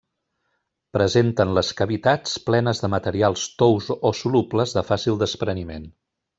Presenten les cavitats plenes de materials tous o solubles de fàcil despreniment.